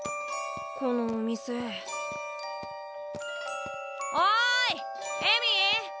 このお店？おい恵美！